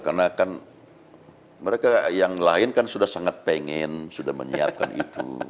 karena kan mereka yang lain kan sudah sangat pengen sudah menyiapkan itu